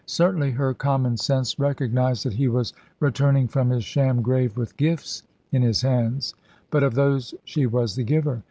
Certainly her common sense recognised that he was returning from his sham grave with gifts in his hands, but of those she was the giver.